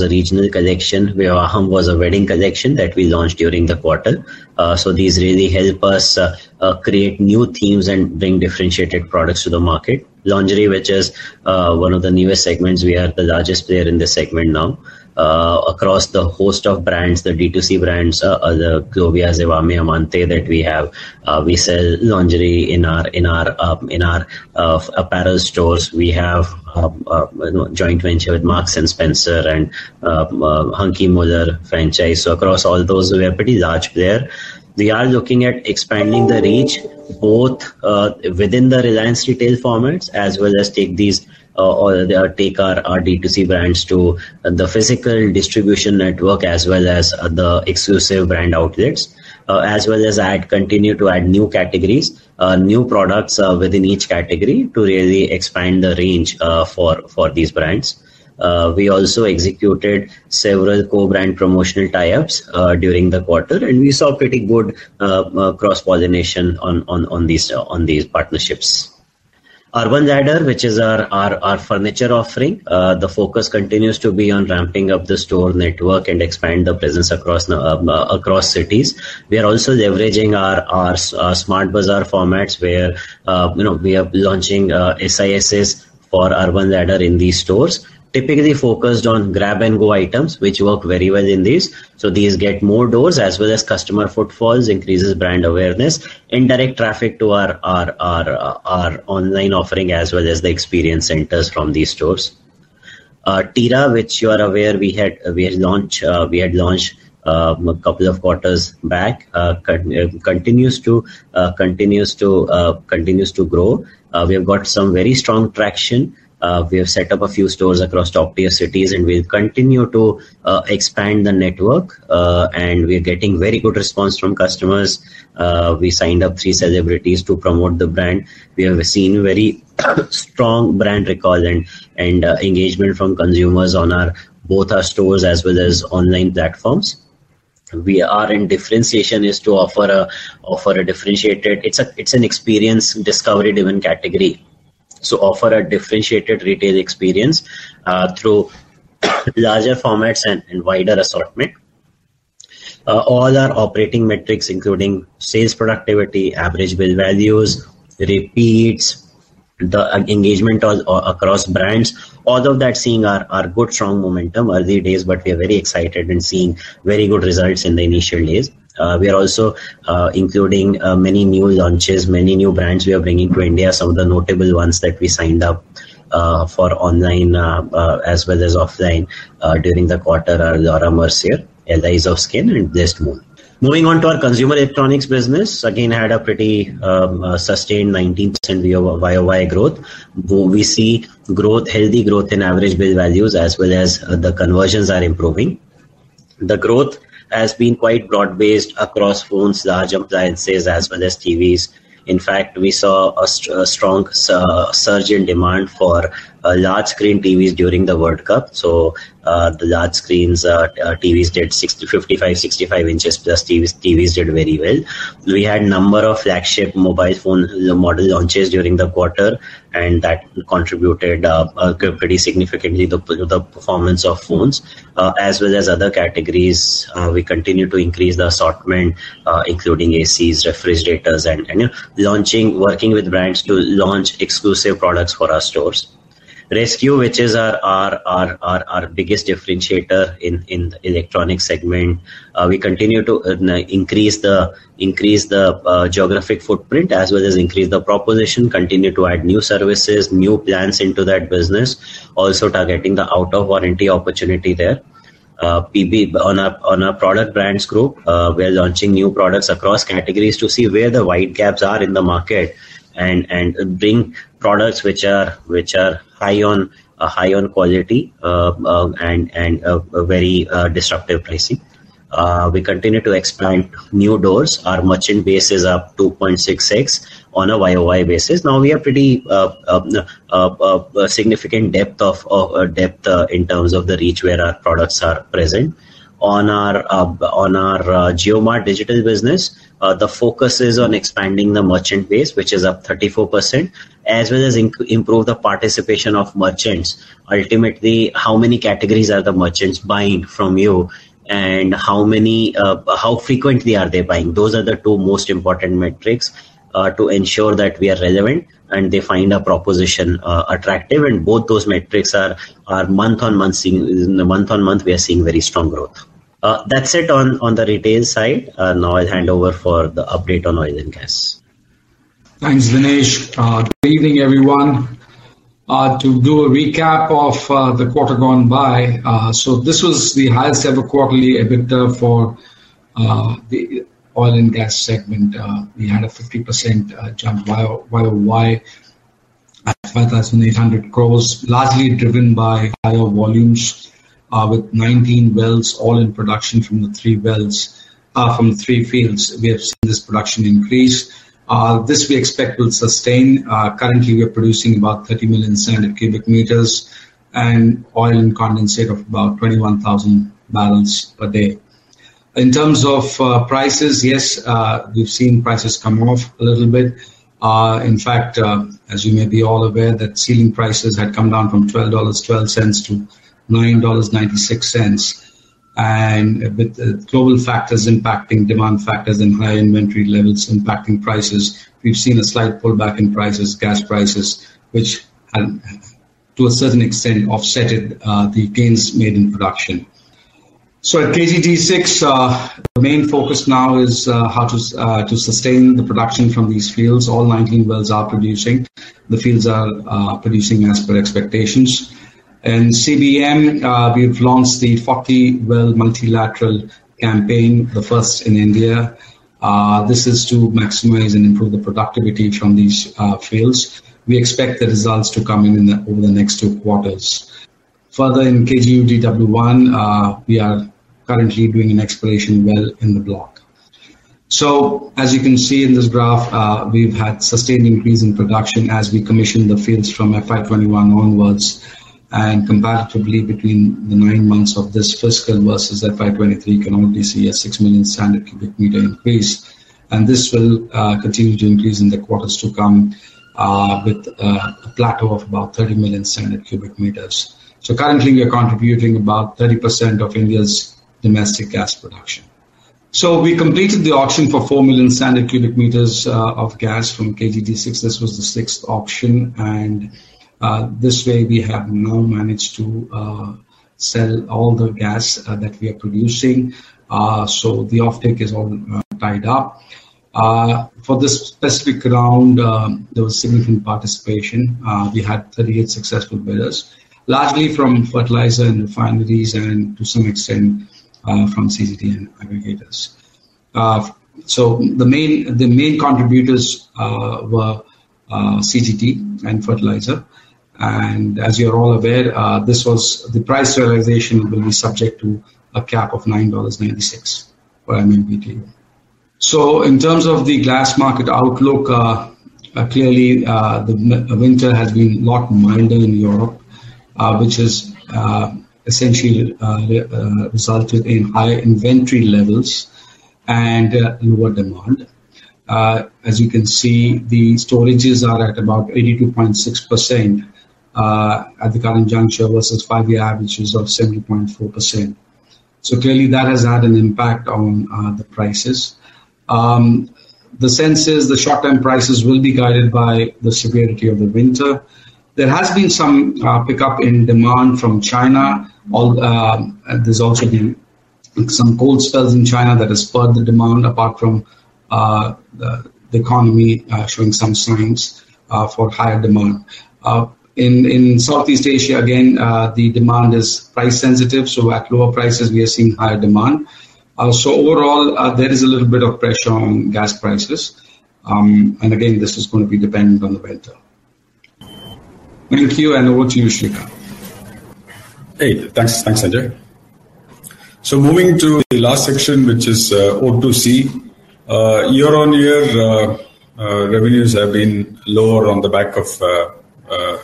a regional collection, where Aham was a wedding collection that we launched during the quarter. So these really help us create new themes and bring differentiated products to the market. Lingerie, which is one of the newest segments, we are the largest player in this segment now. Across the host of brands, the D2C brands, the Clovia, Zivame, Amante that we have. We sell lingerie in our apparel stores. We have joint venture with Marks and Spencer and Hunkemöller franchise. So across all those, we are a pretty large player. We are looking at expanding the reach, both within the Reliance Retail formats, as well as take these or take our our D2C brands to the physical distribution network, as well as the exclusive brand outlets. As well as add, continue to add new categories new products within each category to really expand the range for for these brands. We also executed several co-brand promotional tie-ups during the quarter, and we saw pretty good cross-pollination on these partnerships. Urban Ladder, which is our furniture offering, the focus continues to be on ramping up the store network and expand the business across cities. We are also leveraging our Smart Bazaar formats, where, you know, we are launching SISs for Urban Ladder in these stores. Typically focused on grab-and-go items, which work very well in these. So these get more doors, as well as customer footfalls, increases brand awareness, and direct traffic to our online offering, as well as the experience centers from these stores. Tira, which you are aware, we had launched a couple of quarters back, continues to grow. We have got some very strong traction. We have set up a few stores across top-tier cities, and we'll continue to expand the network, and we are getting very good response from customers. We signed up three celebrities to promote the brand. We have seen very strong brand recall and engagement from consumers on our, both our stores as well as online platforms. We are in differentiation is to offer a differentiated... It's an experience, discovery-driven category. So offer a differentiated Retail experience through larger formats and wider assortment. All our operating metrics, including sales, productivity, average bill values, repeats, the engagement all across brands, all of that seeing are good, strong momentum early days, but we are very excited and seeing very good results in the initial days. We are also including many new launches, many new brands we are bringing to India. Some of the notable ones that we signed up for online as well as offline during the quarter are Laura Mercier, Allies of Skin, and Blessed Moon. Moving on to our Consumer Electronics business. Again, had a pretty sustained 19% YoY growth. We see growth, healthy growth in average bill values, as well as the conversions are improving. The growth has been quite broad-based across phones, large appliances, as well as TVs. In fact, we saw a strong surge in demand for large screen TVs during the World Cup. So, the large screens TVs did 55, 65 inches plus TVs did very well. We had a number of flagship mobile phone model launches during the quarter, and that contributed pretty significantly to the performance of phones, as well as other categories. We continue to increase the assortment, including ACs, refrigerators, and working with brands to launch exclusive products for our stores. ResQ, which is our biggest differentiator in the electronic segment, we continue to increase the geographic footprint as well as increase the proposition, continue to add new services, new plans into that business, also targeting the out-of-warranty opportunity there. On our product brands group, we are launching new products across categories to see where the wide gaps are in the market and bring products which are high on quality and very disruptive pricing. We continue to expand new doors. Our merchant base is up 2.66 on a YoY basis. Now, we have pretty significant depth in terms of the reach where our products are present. On our JioMart digital business, the focus is on expanding the merchant base, which is up 34%, as well as improve the participation of merchants. Ultimately, how many categories are the merchants buying from you, and how many, how frequently are they buying? Those are the two most important metrics to ensure that we are relevant and they find our proposition attractive. And both those metrics are month-on-month seeing. In the month-on-month, we are seeing very strong growth. That's it on the Retail side. Now I'll hand over for the update on Oil and Gas. Thanks, Dinesh. Good evening, everyone. To do a recap of the quarter gone by, so this was the highest ever quarterly EBITDA for the Oil and Gas segment. We had a 50% jump YoY at 5,800 crores, largely driven by higher volumes, with 19 wells, all in production from the three wells, from the three fields, we have seen this production increase. This we expect will sustain. Currently, we are producing about 30 million standard cubic meters and oil and condensate of about 21,000 barrels per day. In terms of prices, yes, we've seen prices come off a little bit. In fact, as you may be all aware, that ceiling prices had come down from $12.12 to $9.96. With the global factors impacting demand factors and high inventory levels impacting prices, we've seen a slight pullback in prices, gas prices, which have, to a certain extent, offset the gains made in production. At KG-D6, the main focus now is how to sustain the production from these fields. All 19 wells are producing. The fields are producing as per expectations. And CBM, we've launched the 40 well multilateral campaign, the first in India. This is to maximize and improve the productivity from these fields. We expect the results to come in over the next two quarters. Further, in KG-UDW1, we are currently doing an exploration well in the block. So as you can see in this graph, we've had sustained increase in production as we commission the fields from FY 2021 onwards, and comparatively between the nine months of this fiscal versus FY 2023, you can only see a 6 million standard cubic meter increase, and this will continue to increase in the quarters to come, with a plateau of about 30 million standard cubic meters. So currently, we are contributing about 30% of India's domestic gas production. So we completed the auction for 4 million standard cubic meters of gas from KG-D6. This was the sixth auction, and this way we have now managed to sell all the gas that we are producing. So the offtake is all tied up. For this specific round, there was significant participation. We had 38 successful bidders, largely from fertilizer and refineries and to some extent, from CGD and aggregators. So the main, the main contributors were CGD and fertilizer, and as you are all aware, this was the price realization will be subject to a cap of $9.96 per MMBtu. So in terms of the gas market outlook, clearly, the winter has been a lot milder in Europe, which has essentially resulted in higher inventory levels and lower demand. As you can see, the storages are at about 82.6%, at the current juncture, versus five-year averages of 70.4%. So clearly, that has had an impact on the prices. The sense is the short-term prices will be guided by the severity of the winter. There has been some pickup in demand from China. There's also been some cold spells in China that has spurred the demand, apart from the economy showing some signs for higher demand. In Southeast Asia, again, the demand is price sensitive, so at lower prices, we are seeing higher demand. So overall, there is a little bit of pressure on gas prices. And again, this is going to be dependent on the weather. Thank you, and over to you, Srikanth. Hey, thanks. Thanks, Sanjay. So moving to the last section, which is O2C. Year-on-year revenues have been lower on the back of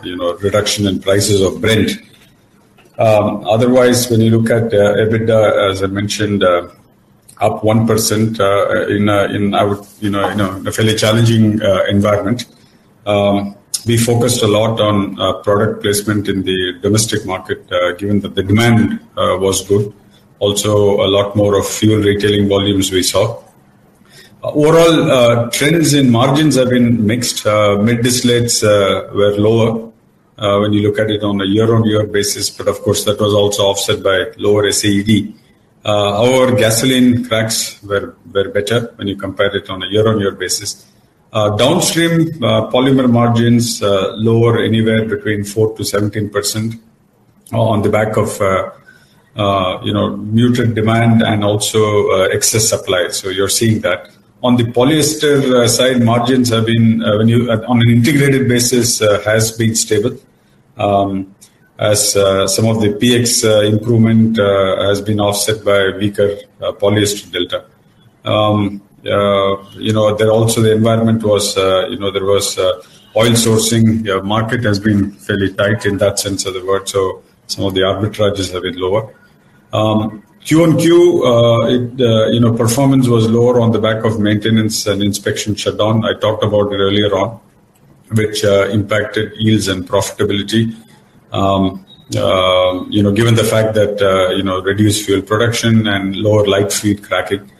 you know, reduction in prices of Brent. Otherwise, when you look at EBITDA, as I mentioned, up 1% in I would you know, in a fairly challenging environment. We focused a lot on product placement in the domestic market given that the demand was good. Also, a lot more of fuel retailing volumes we saw. Overall trends in margins have been mixed. Mid distillates were lower when you look at it on a year-on-year basis, but of course, that was also offset by lower SAED. Our gasoline cracks were better when you compare it on a year-on-year basis. Downstream, polymer margins lower anywhere between 4%-17%, on the back of, you know, muted demand and also, excess supply. So you're seeing that. On the polyester side, margins have been, when you-- on an integrated basis, has been stable. As some of the PX improvement has been offset by weaker polyester delta. You know, then also the environment was, you know, there was oil sourcing. The market has been fairly tight in that sense of the word, so some of the arbitrages are a bit lower. Q-on-Q, it, you know, performance was lower on the back of maintenance and inspection shutdown. I talked about it earlier on, which impacted yields and profitability. You know, given the fact that, you know, reduced fuel production and lower light feed cracking,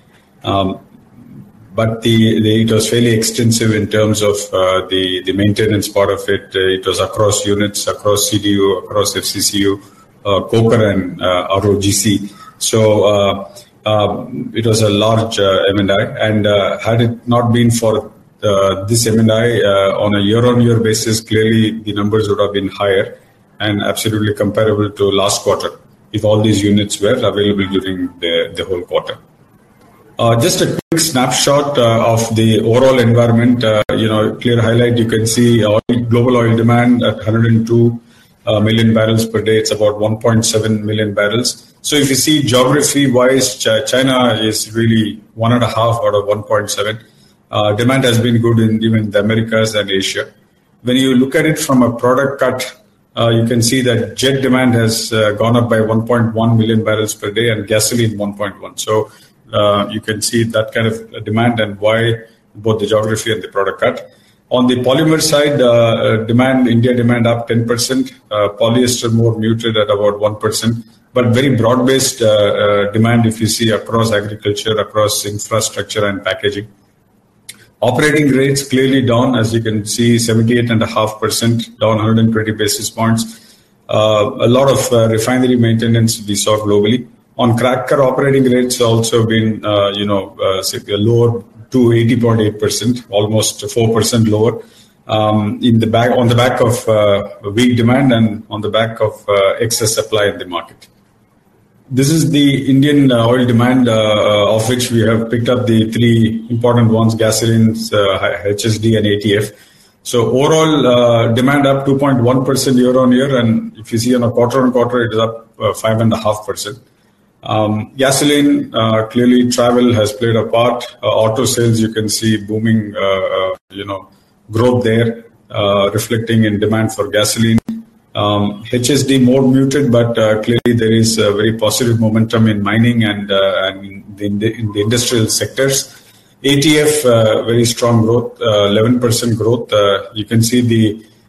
but. It was fairly extensive in terms of, the maintenance part of it. It was across units, across CDU, across FCCU, coker and ROGC. So, it was a large M&I, and had it not been for, this M&I, on a year-on-year basis, clearly the numbers would have been higher and absolutely comparable to last quarter if all these units were available during the whole quarter. Just a quick snapshot, of the overall environment, you know, clear highlight, you can see oil, global oil demand at 102 million barrels per day. It's about 1.7 million barrels. So if you see geography-wise, China is really 1.5 out of 1.7. Demand has been good in even the Americas and Asia. When you look at it from a product cut, you can see that jet demand has gone up by 1.1 million barrels per day, and gasoline, 1.1. So you can see that kind of demand and why both the geography and the product cut. On the polymer side, demand, India demand up 10%, polyester more muted at about 1%, but very broad-based, demand, if you see across agriculture, across infrastructure and packaging. Operating rates clearly down, as you can see, 78.5%, down 120 basis points. A lot of refinery maintenance we saw globally. On cracker operating rates also been, you know, significantly lower to 80.8%, almost 4% lower, in the back-- on the back of, weak demand and on the back of, excess supply in the market. This is the Indian oil demand, of which we have picked up the three important ones: gasolines, HSD and ATF. So overall, demand up 2.1% year-on-year, and if you see on a quarter-on-quarter, it is up, 5.5%. Gasoline, clearly travel has played a part. Auto sales, you can see booming, you know, growth there, reflecting in demand for gasoline. HSD, more muted, but, clearly there is a very positive momentum in mining and, and in the industrial sectors. ATF, very strong growth, 11% growth. You can see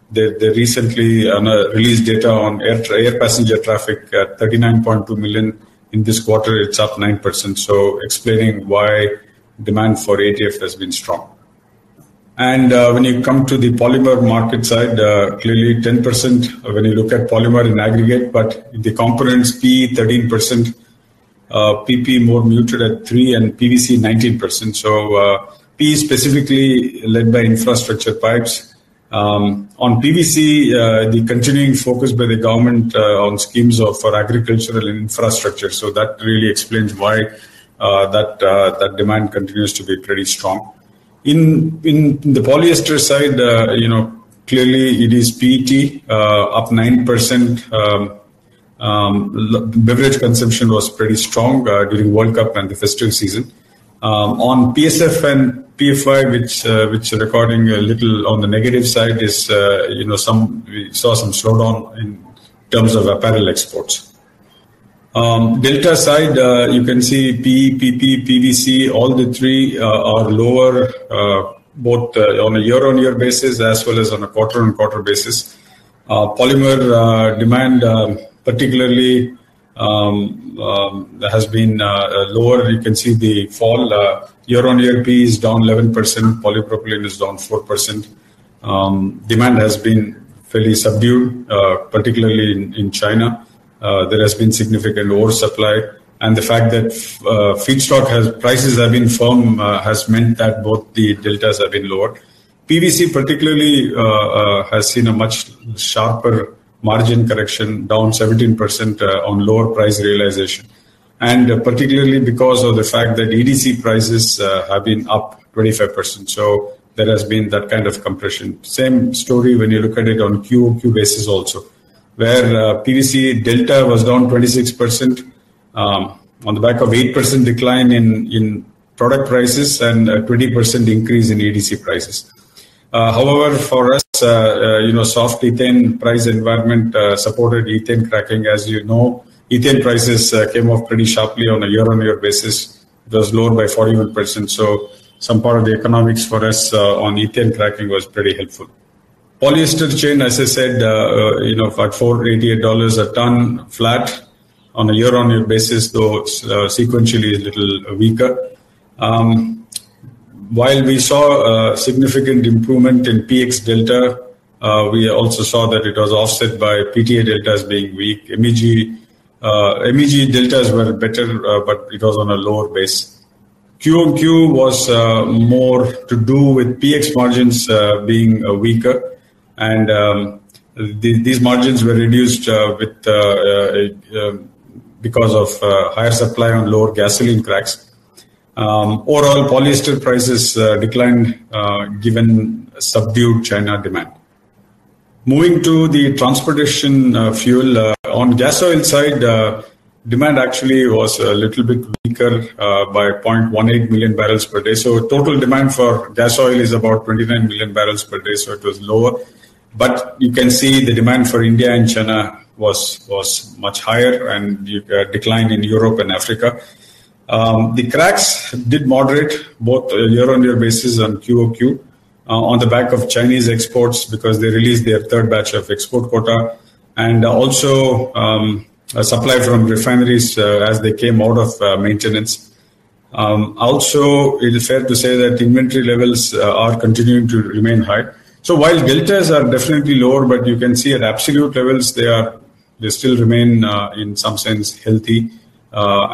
the recently released data on air passenger traffic, 39.2 million. In this quarter, it's up 9%. So explaining why demand for ATF has been strong. And when you come to the polymer market side, clearly 10% when you look at polymer in aggregate, but the components, PE 13%, PP more muted at 3%, and PVC 19%. So, PE specifically led by infrastructure pipes. On PVC, the continuing focus by the government on schemes of... for agricultural infrastructure. So that really explains why that demand continues to be pretty strong. In the polyester side, you know, clearly it is PET, up 9%. Beverage consumption was pretty strong during World Cup and the festival season. On PSF and PFY, which recording a little on the negative side is, you know, some... we saw some slowdown in terms of apparel exports. Delta side, you can see PE, PP, PVC, all the three are lower, both on a year-on-year basis as well as on a quarter-on-quarter basis. Polymer demand, particularly, has been lower. You can see the fall, year-on-year PE is down 11%, polypropylene is down 4%. Demand has been fairly subdued, particularly in China. There has been significant oversupply, and the fact that feedstock prices have been firm has meant that both the deltas have been lower. PVC particularly has seen a much sharper margin correction, down 17% on lower price realization. And particularly because of the fact that EDC prices have been up 25%, so there has been that kind of compression. Same story when you look at it on Q-on-Q basis also, where PVC delta was down 26% on the back of 8% decline in product prices and a 20% increase in EDC prices. However, for us, you know, soft ethane price environment supported ethane cracking. As you know, ethane prices came off pretty sharply on a year-on-year basis. It was lower by 41%, so some part of the economics for us on ethane cracking was pretty helpful. Polyester chain, as I said, you know, at $488 a ton, flat on a year-on-year basis, though it's sequentially a little weaker. While we saw a significant improvement in PX delta, we also saw that it was offset by PTA deltas being weak. MEG deltas were better, but it was on a lower base. Q-on-Q was more to do with PX margins being weaker and these margins were reduced because of higher supply on lower gasoline cracks. Overall, polyester prices declined given subdued China demand. Moving to the transportation fuel, on gasoil side, demand actually was a little bit weaker by 0.18 million barrels per day. So total demand for gasoil is about 29 million barrels per day, so it was lower. But you can see the demand for India and China was much higher and a decline in Europe and Africa. The cracks did moderate both year-on-year basis and Q-on-Q, on the back of Chinese exports, because they released their third batch of export quota and also a supply from refineries, as they came out of maintenance. Also, it is fair to say that inventory levels are continuing to remain high. So while deltas are definitely lower, but you can see at absolute levels, they are... they still remain, in some sense, healthy.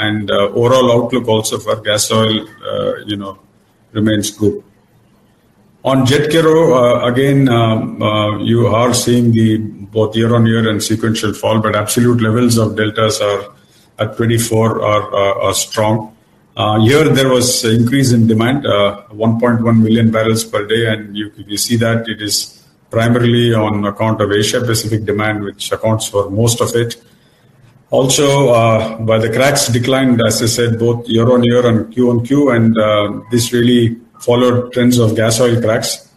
And overall outlook also for gasoil, you know, remains good. On Jet Kero, again, you are seeing both year-on-year and sequential fall, but absolute levels of deltas are at 24 are strong. Here there was an increase in demand, 1.1 million barrels per day, and you see that it is primarily on account of Asia-Pacific demand, which accounts for most of it. Also, but the cracks declined, as I said, both year-on-year and Q-on-Q, and this really followed trends of gasoil cracks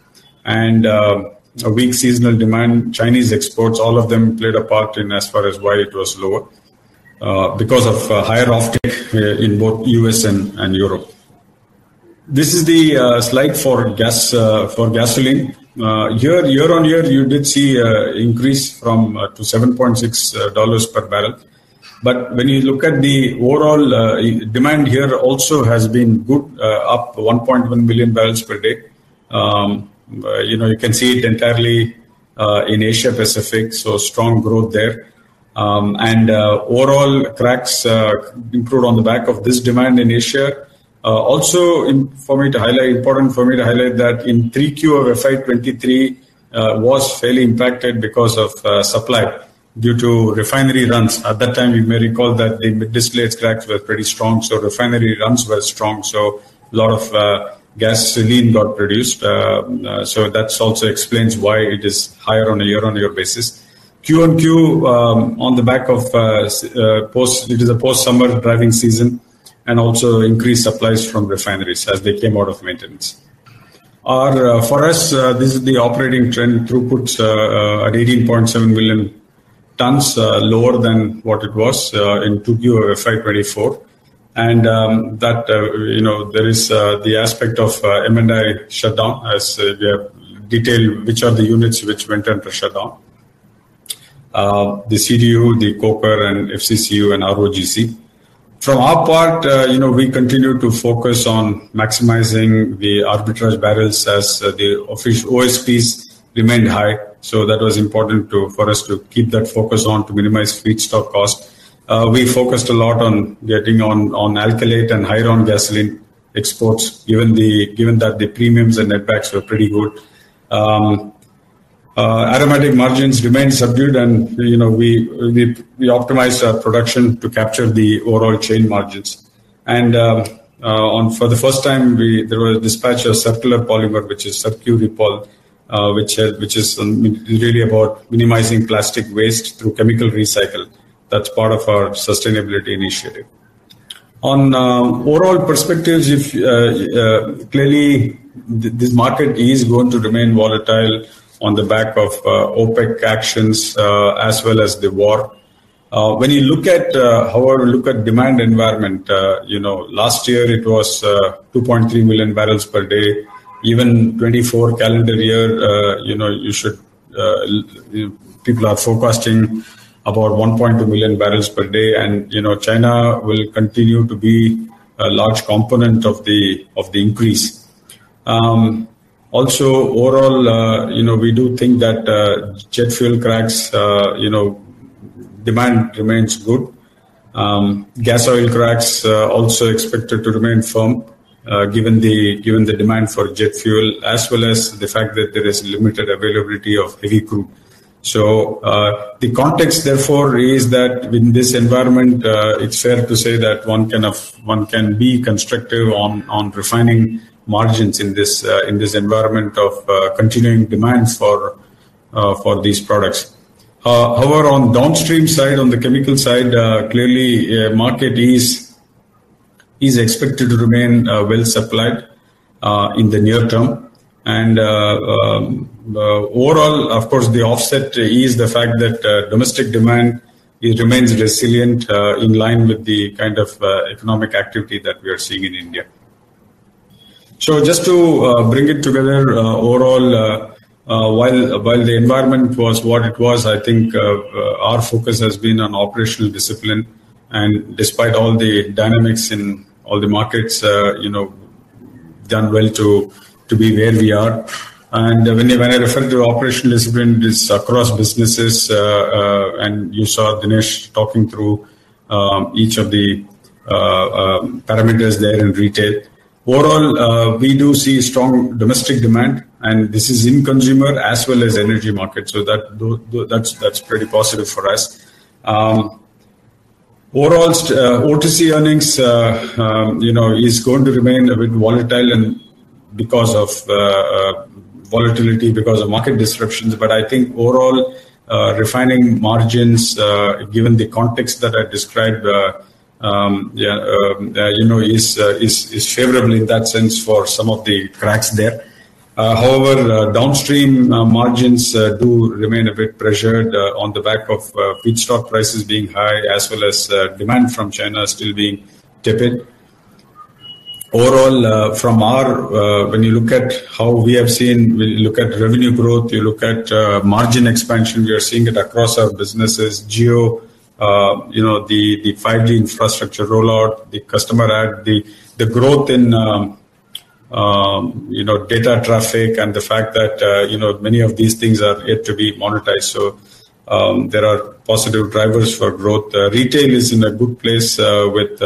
and a weak seasonal demand. Chinese exports, all of them played a part in as far as why it was lower, because of higher offtake in both U.S. and Europe. This is the slide for gas for gasoline. Year-on-year, you did see an increase from to $7.6 per barrel. But when you look at the overall, demand here also has been good, up 1.1 million barrels per day. You know, you can see it entirely, in Asia Pacific, so strong growth there. And, overall cracks, improved on the back of this demand in Asia. Also, important for me to highlight that in 3Q of FY 2023, was fairly impacted because of, supply due to refinery runs. At that time, you may recall that the displaced cracks were pretty strong, so refinery runs were strong, so a lot of, gasoline got produced. So that also explains why it is higher on a year-on-year basis. Q-on-Q, on the back of post-summer driving season, and also increased supplies from refineries as they came out of maintenance. Our, for us, this is the operating trend throughput at 18.7 million tons, lower than what it was in 2Q of FY 2024. And, that, you know, there is the aspect of M&I shutdown as we have detailed, which are the units which went under shutdown. The CDU, the coker, and FCCU and ROGC. From our part, you know, we continue to focus on maximizing the arbitrage barrels as the OSPs remain high. So that was important for us to keep that focus on to minimize feedstock costs. We focused a lot on getting on alkylate and high RON gasoline exports, given that the premiums and netbacks were pretty good. Aromatic margins remained subdued and, you know, we optimized our production to capture the overall chain margins. For the first time, there was a dispatch of circular polymer, which is CircuRepol, which is really about minimizing plastic waste through chemical recycle. That's part of our sustainability initiative. On overall perspectives, clearly, this market is going to remain volatile on the back of OPEC actions, as well as the war. When you look at, however you look at demand environment, you know, last year it was 2.3 million barrels per day. Even 2024 calendar year, you know, you should, people are forecasting about 1.2 million barrels per day, and, you know, China will continue to be a large component of the, of the increase. Also, overall, you know, we do think that, jet fuel cracks, you know, demand remains good. Gasoil cracks, also expected to remain firm, given the, given the demand for jet fuel, as well as the fact that there is limited availability of heavy crude. So, the context therefore is that in this environment, it's fair to say that one can of, one can be constructive on, on refining margins in this, in this environment of, continuing demands for, for these products. However, on downstream side, on the chemical side, clearly, market is expected to remain well supplied in the near term. And, overall, of course, the offset is the fact that, domestic demand it remains resilient in line with the kind of economic activity that we are seeing in India. So just to bring it together, overall, while the environment was what it was, I think, our focus has been on operational discipline, and despite all the dynamics in all the markets, you know, done well to be where we are. And when I refer to operational discipline, it is across businesses, and you saw Dinesh talking through each of the parameters there in Retail. Overall, we do see strong domestic demand, and this is in consumer as well as energy markets, so that's pretty positive for us. Overall, O2C earnings, you know, is going to remain a bit volatile and because of volatility, because of market disruptions. But I think overall, refining margins, given the context that I described, yeah, you know, is favorable in that sense for some of the cracks there. However, downstream margins do remain a bit pressured, on the back of feedstock prices being high, as well as demand from China still being tepid. Overall, from our, when you look at how we have seen... We look at revenue growth, you look at margin expansion, we are seeing it across our businesses. Jio, you know, the 5G infrastructure rollout, the customer add, the growth in, you know, data traffic and the fact that, you know, many of these things are yet to be monetized. So, there are positive drivers for growth. Retail is in a good place, with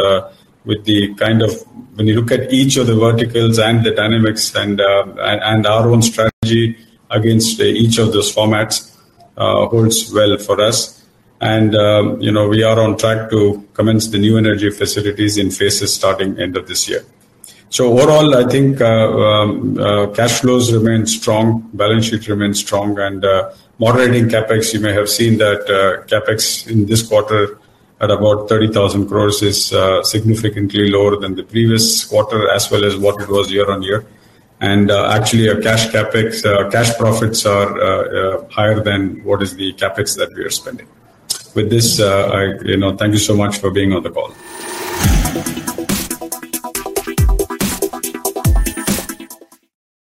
the kind of... When you look at each of the verticals and the dynamics and, and our own strategy against each of those formats holds well for us. And, you know, we are on track to commence the new energy facilities in phases starting end of this year. So overall, I think, cash flows remain strong, balance sheet remains strong, and, moderating CapEx, you may have seen that, CapEx in this quarter at about 30,000 crore is, significantly lower than the previous quarter, as well as what it was year-on-year. And, actually, our cash CapEx, cash profits are, higher than what is the CapEx that we are spending. With this, I, you know, thank you so much for being on the call.